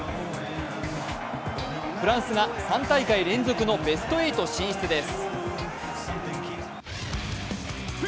フランスが３大会連続のベスト８進出です。